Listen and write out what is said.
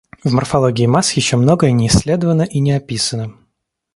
В морфологии масс еще многое не исследовано и не описано.